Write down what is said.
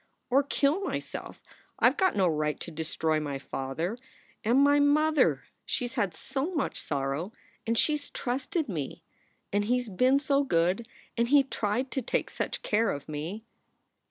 Or kill myself. I ve got no right to destroy my father. And my mother! She has had so much sorrow, and she s trusted me; and he s been so good, and he tried to take such care of me."